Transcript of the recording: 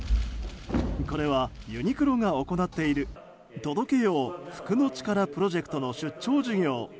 これは、ユニクロが行っている「“届けよう、服のチカラ”プロジェクト」の出張授業。